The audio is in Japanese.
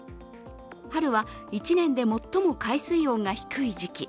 春は１年で最も海水温が低い時期。